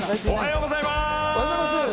おはようございます！